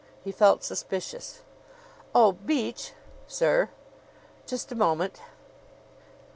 He felt suspicious. "Oh, Beach!" "Sir?" "Just a moment."